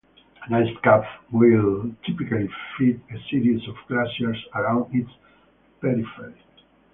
An ice cap will typically feed a series of glaciers around its periphery.